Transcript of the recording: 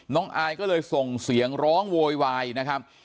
อายก็เลยส่งเสียงร้องโวยวายนะครับ